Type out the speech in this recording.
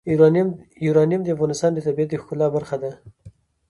یورانیم د افغانستان د طبیعت د ښکلا برخه ده.